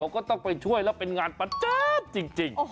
เราก็ต้องไปช่วยแล้วเป็นงานปัจจั๊บจริง